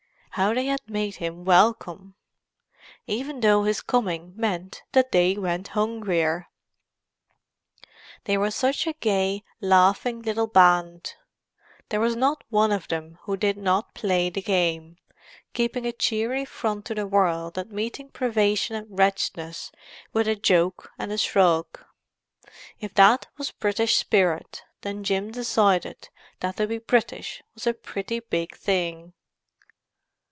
How they had made him welcome!—even though his coming meant that they went hungrier. They were such a gay, laughing little band; there was not one of them who did not play the game, keeping a cheery front to the world and meeting privation and wretchedness with a joke and a shrug. If that was British spirit, then Jim decided that to be British was a pretty big thing.